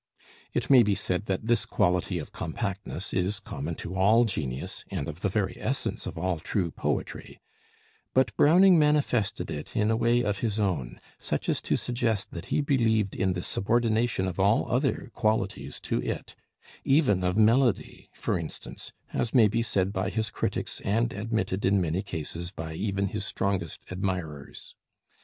It may be said that this quality of compactness is common to all genius, and of the very essence of all true poetry; but Browning manifested it in a way of his own, such as to suggest that he believed in the subordination of all other qualities to it; even of melody, for instance, as may be said by his critics and admitted in many cases by even his strongest admirers.